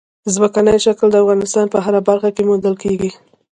ځمکنی شکل د افغانستان په هره برخه کې موندل کېږي.